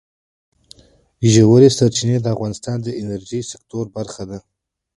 ژورې سرچینې د افغانستان د انرژۍ سکتور برخه ده.